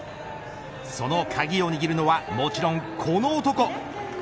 その鍵を握るのはもちろんこの男。